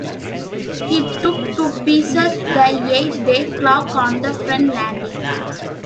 He took to pieces the eight-day clock on the front landing.